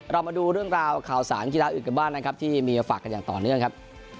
เรามาดูเรื่องราวข่าวสารกีฬาอื่นกันบ้างนะครับที่มีมาฝากกันอย่างต่อเนื่องครับ